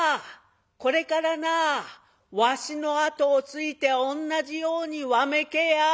これからなわしの後をついて同じようにわめけや。